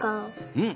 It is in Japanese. うん。